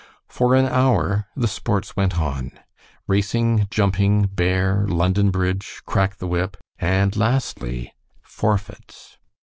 For an hour the sports went on. Racing, jumping, bear, London bridge, crack the whip, and lastly, forfeits.